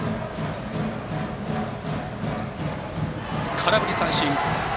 空振り三振。